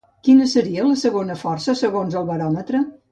Quina seria la segona força segons el baròmetre?